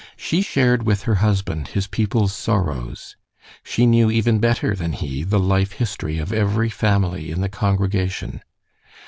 She shared with her husband his people's sorrows. She knew even better than he the life history of every family in the congregation.